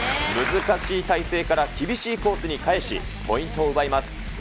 難しい体勢から厳しいコースに返し、ポイントを奪います。